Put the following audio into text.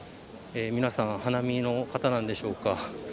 皆さん、お花見の方でしょうか。